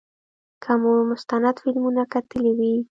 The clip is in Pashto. که مو مستند فلمونه کتلي وي.